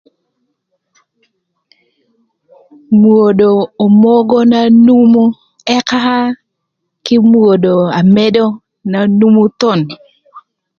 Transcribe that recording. Mwodo omogo na numu ëka kï mwodo amedo na numu thon.